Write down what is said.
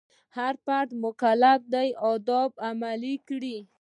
هر فرد مکلف دی آداب عملي کړي.